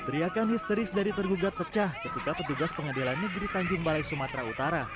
teriakan histeris dari tergugat pecah ketika petugas pengadilan negeri tanjung balai sumatera utara